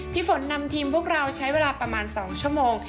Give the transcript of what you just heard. พี่ฝนนำทีมพวกเราใช้เวลาประมาณ๒ชั่วโมง